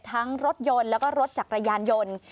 รถยนต์แล้วก็รถจักรยานยนต์